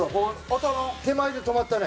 三村：手前で止まったね。